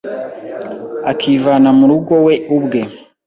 akivana mu rugo we ubwe